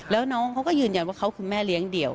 แล้วน้องเขาก็ยืนยันว่าเขาคือแม่เลี้ยงเดี่ยว